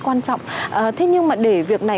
quan trọng thế nhưng mà để việc này